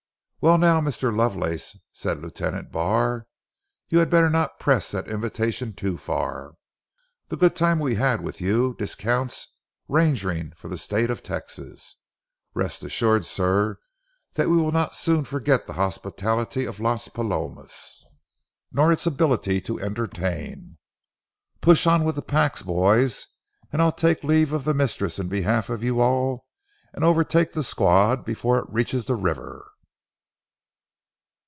"Well, now, Mr. Lovelace," said Lieutenant Barr, "you had better not press that invitation too far. The good time we have had with you discounts rangering for the State of Texas. Rest assured, sir, that we will not soon forget the hospitality of Las Palomas, nor its ability to entertain. Push on with the packs, boys, and I'll take leave of the mistress in behalf of you all, and overtake the squad before it reaches the river."